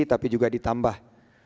tapi juga ditambah